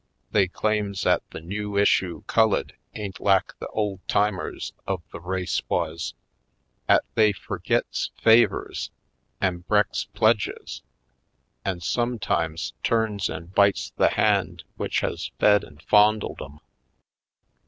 They claims 'at the new issue cullid ain't lak the ole timers of the race wuz — 'at they furgits favors an' bre'ks pledges an' sometimes turns an' bites the hand w'ich has fed an' fondled 'em.